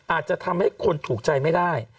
อาจจะทำให้คนถูกใจไม่ได้